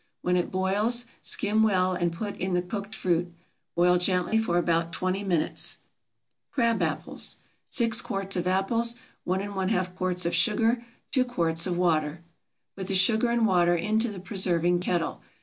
When it boils skim well and put in the cooked fruit. Boil gently for about twenty minutes. CRAB APPLES. 6 quarts of apples. 1½ quarts of sugar. 2 quarts of water. Put the sugar and water into the preserving kettle.